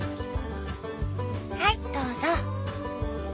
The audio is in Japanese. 「はいどうぞ」。